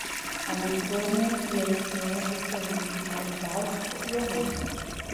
A Letônia e a Estônia estão entre o Mar Báltico e a Rússia.